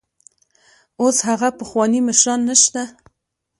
اوس هغه پخواني مشران نشته.